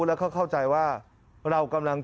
แล้วก็เข้าใจว่าเรากำลัง